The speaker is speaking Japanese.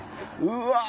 うわ！